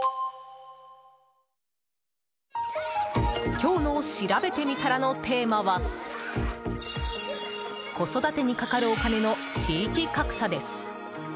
今日のしらべてみたらのテーマは子育てにかかるお金の地域格差です。